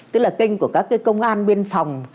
tức là kênh của các cái công an biên phòng